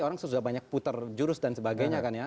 orang sudah banyak putar jurus dan sebagainya kan ya